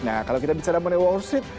nah kalau kita bicara mengenai wall street